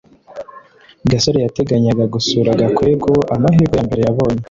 gasore yateganyaga gusura gakwego amahirwe yambere yabonye